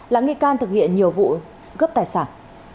là nghị can thực hiện nhiều vụ gấp tài sản